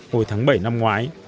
hồi tháng bảy năm ngoái